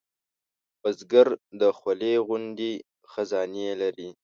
بزګر د خولې غوندې خزانې لري